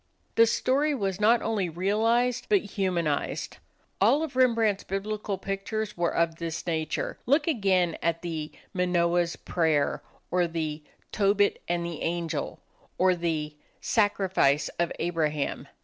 The story was not only realized, but humanized. All of Rembrandt's Biblical pictures were of this nature. Look again at the "Manoah's Prayer," or the "Tobit and the Angel," or the "Sacrifice of Abraham."